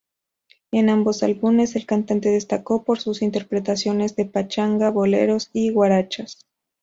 En ambos álbumes el cantante destacó por sus interpretaciones de pachanga, boleros y guarachas.